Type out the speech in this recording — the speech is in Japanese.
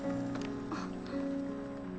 あっ。